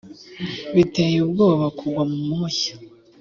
biteye ubwoba kugwa mu moshya